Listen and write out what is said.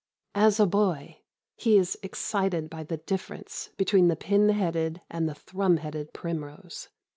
As a boy, he is excited by the difference between the pin headed and the thrum headed primrose.